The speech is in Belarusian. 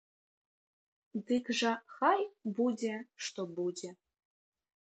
Дык жа хай будзе што будзе!